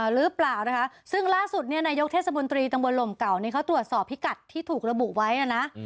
หรือเปล่านะคะซึ่งล่าสุดเนี่ยนายกเทศมนตรีตำบลลมเก่านี้เขาตรวจสอบพิกัดที่ถูกระบุไว้นะนะ